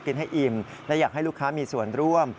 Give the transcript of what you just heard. กินให้อิ่มและอยากให้ลูกค้ามีส่วนร่วม